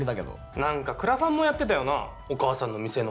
何かクラファンもやってたよなお母さんの店の。